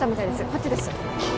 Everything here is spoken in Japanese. こっちです